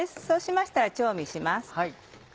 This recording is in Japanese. そうしましたら調味します。